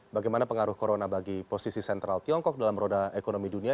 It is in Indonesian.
bagaimana pengaruh corona bagi posisi sentral tiongkok dalam roda ekonomi dunia